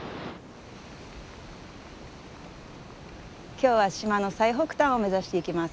今日は島の最北端を目指していきます。